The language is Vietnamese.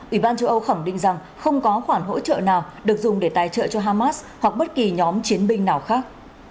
ủy ban châu âu khẳng định rằng không có khoản hỗ trợ nào được dùng để tài trợ cho hamas hoặc bất kỳ nhóm chiến binh nào khác